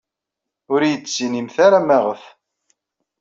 Ur iyi-d-ttinimt ara maɣef.